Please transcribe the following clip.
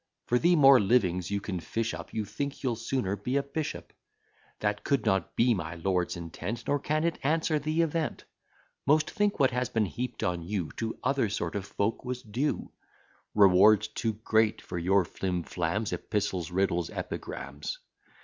For, the more livings you can fish up, You think you'll sooner be a bishop: That could not be my lord's intent, Nor can it answer the event. Most think what has been heap'd on you To other sort of folk was due: Rewards too great for your flim flams, Epistles, riddles, epigrams.